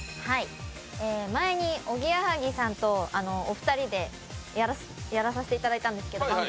前におぎやはぎさんとお二人で番組でやらせていただいたんです。